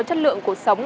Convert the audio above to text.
chất lượng cuộc sống